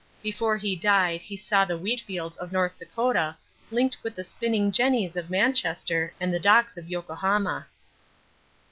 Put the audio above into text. Before he died he saw the wheat fields of North Dakota linked with the spinning jennies of Manchester and the docks of Yokohama.